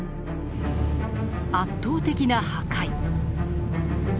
圧倒的な破壊。